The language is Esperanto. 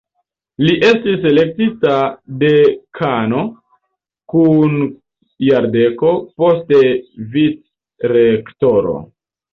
Li estis elektita dekano dum jardeko, poste vicrektoro.